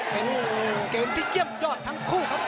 เป็นเกมที่เยี่ยมยอดทั้งคู่ครับ